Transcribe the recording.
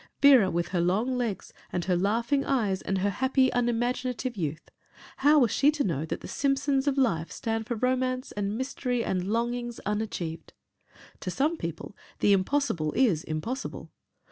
Vera with her long legs and her laughing eyes and her happy, unimaginative youth how was she to know that the Simpsons of life stand for romance and mystery and longings unachieved? To some people the impossible is impossible.